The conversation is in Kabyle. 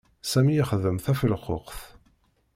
Sami ixdem tafelquqt.